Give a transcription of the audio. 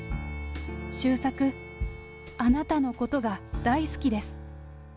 周作、あなたのことが大好きです。